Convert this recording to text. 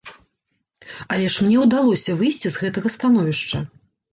Але ж мне ўдалося выйсці з гэтага становішча.